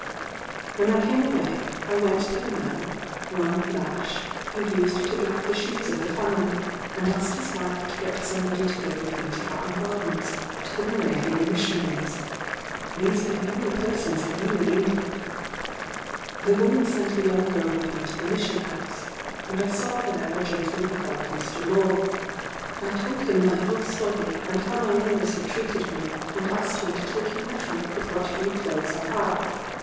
When I came away, I went to the man (one Mash) who used to black the shoes of the family, and asked his wife to get somebody to go with me to Hatton Garden to the Moravian Missionaries: these were the only persons I knew in England. The woman sent a young girl with me to the mission house, and I saw there a gentleman called Mr. Moore. I told him my whole story, and how my owners had treated me, and asked him to take in my trunk with what few clothes I had.